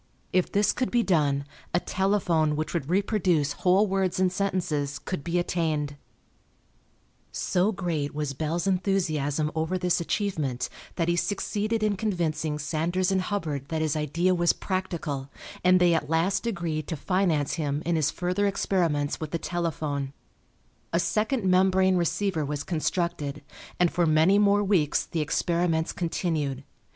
If this could be done a telephone which would reproduce whole words and sentences could be attained. [Illustration: ALEXANDER GRAHAM BELL] [Illustration: THOMAS A. WATSON] So great was Bell's enthusiasm over this achievement that he succeeded in convincing Sanders and Hubbard that his idea was practical, and they at last agreed to finance him in his further experiments with the telephone. A second membrane receiver was constructed, and for many more weeks the experiments continued.